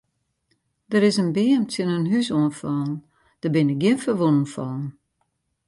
Der is in beam tsjin in hús oan fallen, der binne gjin ferwûnen fallen.